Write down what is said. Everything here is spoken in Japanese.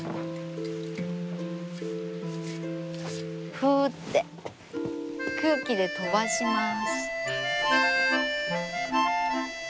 ふうって空気で飛ばします。